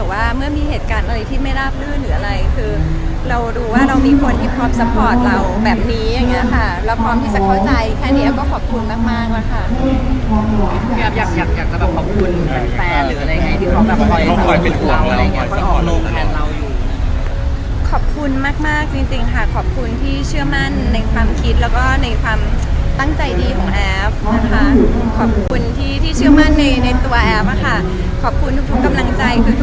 ว่าคุณคิดว่าคุณคิดว่าคุณคิดว่าคุณคิดว่าคุณคิดว่าคุณคิดว่าคุณคิดว่าคุณคิดว่าคุณคิดว่าคุณคิดว่าคุณคิดว่าคุณคิดว่าคุณคิดว่าคุณคิดว่าคุณคิดว่าคุณคิดว่าคุณคิดว่าคุณคิดว่าคุณคิดว่าคุณคิดว่าคุณคิดว่าคุณคิดว่าคุณคิดว่าคุณคิดว่าคุ